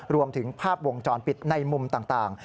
รวมถึงภาพวงจรปิดในมุมต่าง